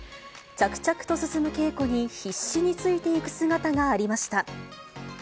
着々と進む稽古に、必死についていく姿がありました。